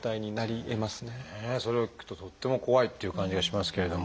それを聞くととっても怖いっていう感じがしますけれども。